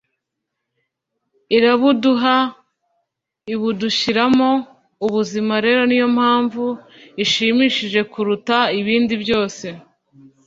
irabuduha, ibudushyiramo. ubuzima rero ni yo mpano ishimishije kuruta ibindi byose